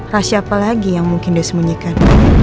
rahasia apa lagi yang mungkin dia sembunyikan